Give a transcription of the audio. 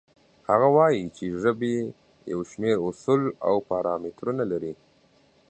هغه وایي چې ژبې یو شمېر اصول او پارامترونه لري.